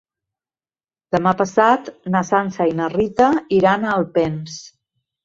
Demà passat na Sança i na Rita iran a Alpens.